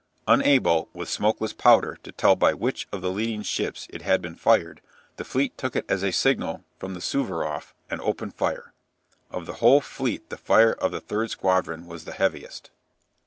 Unable, with smokeless powder, to tell by which of the leading ships it had been fired, the fleet took it as a signal from the 'Suvaroff' and opened fire. Of the whole fleet the fire of the 3rd Squadron was the heaviest."